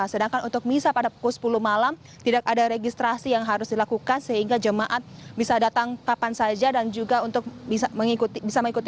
sedangkan untuk misa pada pukul sepuluh malam tidak ada registrasi yang harus dilakukan sehingga jemaat bisa datang kapan saja dan juga untuk bisa mengikuti